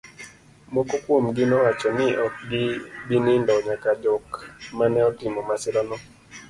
moko kuomgi nowacho ni ok gi bi nindo nyaka jok mane otimo masira no